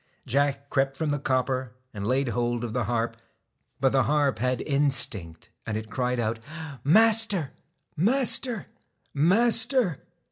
Jack crept from the copper, and laid hold of the harp. But the harp had instinct, and it cried out : 'Master! Master! Master!'